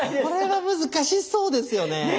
これは難しそうですよね。